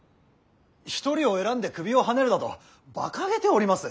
一人を選んで首をはねるなどばかげております。